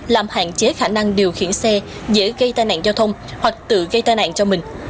làm hạn chế khả năng điều khiển xe dễ gây tai nạn giao thông hoặc tự gây tai nạn cho mình